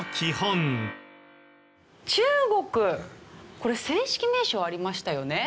これ正式名称ありましたよね？